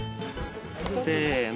せの。